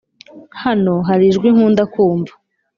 hano hari ijwi nkunda kumva